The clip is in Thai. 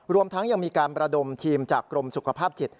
รวมทั้งยังมีการประดมทีมจากกรมสุขภาพจิต